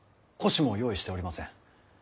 輿も用意しておりません。